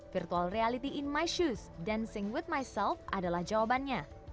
virtual reality in my shoes dancing with myself adalah jawabannya